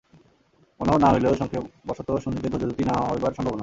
মনোহর না হইলেও সংক্ষেপবশত শুনিতে ধৈর্যচ্যুতি না হইবার সম্ভাবনা।